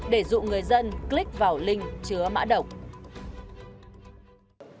để dụ người dân click vào link chứa mã độc